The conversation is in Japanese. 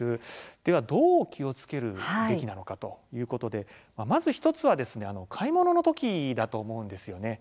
ではどう気をつけるべきなのかということで、まず１つは買い物のときだと思うんですよね。